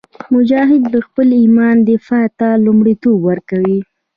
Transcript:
مجاهد د خپل ایمان دفاع ته لومړیتوب ورکوي.